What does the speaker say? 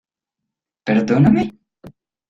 ¡ perdóname!